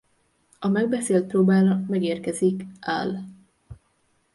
A megbeszélt próbára megérkezik Al.